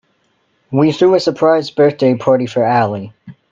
We threw a surprise birthday party for Ali.